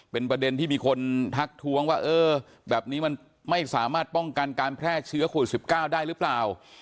เป็นประเด็นที่มีคนทักทวงว่าเออแบบนี้มันไม่สามารถป้องกันการแพร่เชื้อโควิด๑๙ได้หรือเปล่า